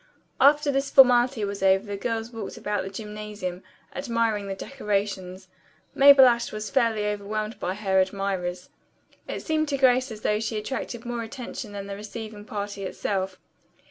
After this formality was over the girls walked about the gymnasium, admiring the decorations. Mabel Ashe was fairly overwhelmed by her admirers. It seemed to Grace as though she attracted more attention than the receiving party itself.